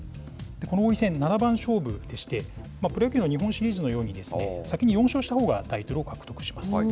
この王位戦、七番勝負でして、プロ野球の日本シリーズのように、先に４勝したほうがタイトルを獲得します。